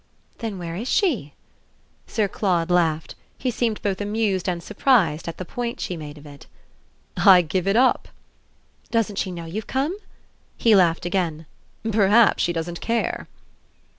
"Then where is she?" Sir Claude laughed; he seemed both amused and surprised at the point she made of it. "I give it up!" "Doesn't she know you've come?" He laughed again. "Perhaps she doesn't care!"